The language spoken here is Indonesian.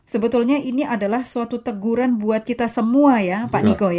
sebetulnya ini adalah suatu teguran buat kita semua ya pak niko